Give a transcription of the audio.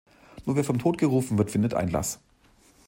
Nur wer vom Tod gerufen wird, findet Einlass.